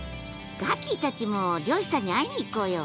ガキィたちも漁師さんに会いにいこうよ！